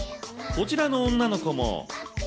こちらの女の子も。